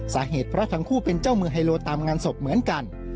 สาเหตุเพราะทั้งคู่เป็นเจ้ามือไฮโลตามงานศพเหมือนกัน